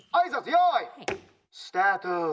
よいスタート。